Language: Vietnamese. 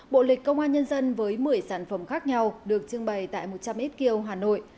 bộ lịch công an nhân dân với một mươi sản phẩm khác nhau được trưng bày tại một trăm linh s kiều hà nội